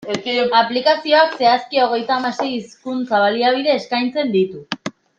Aplikazioak, zehazki, hogeita hamasei hizkuntza-baliabide eskaintzen ditu.